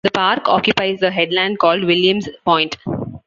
The park occupies a headland called Williams Point.